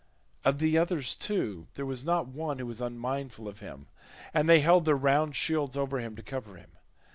Of the others, too, there was not one who was unmindful of him, and they held their round shields over him to cover him.